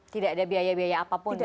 tidak ada biaya biaya apapun